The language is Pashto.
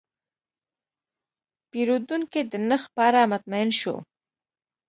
پیرودونکی د نرخ په اړه مطمین شو.